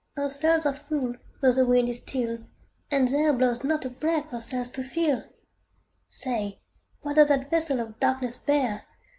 Her sails are full, though the wind is still, And there blows not a breath her sails to fill! Say, what doth that vessel of darkness bear?